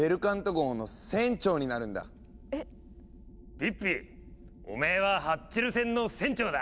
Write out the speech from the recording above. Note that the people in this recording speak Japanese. ピッピおめえはハッチェル船の船長だ。